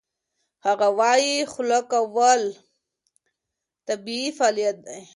هغه وايي خوله کول طبیعي فعالیت دی.